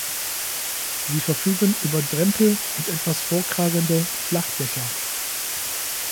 Sie verfügen über Drempel und etwas vorkragende Flachdächer.